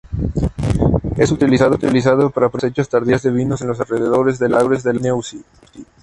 Es utilizada para producir cosechas tardías de vinos en los alrededores del lago Neusiedl.